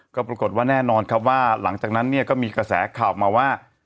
ก็ปรากฏว่าแน่นอนครับว่าหลังจากนั้นเนี่ยก็มีกระแสข่าวมาว่า